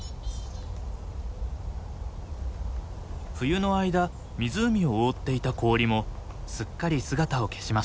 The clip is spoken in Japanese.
冬の間湖を覆っていた氷もすっかり姿を消しました。